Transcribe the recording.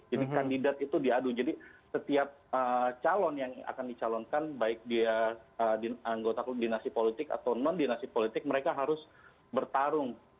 jadi kandidat itu diadu jadi setiap calon yang akan dicalonkan baik dia anggota dinasti politik atau non dinasti politik mereka harus bertarung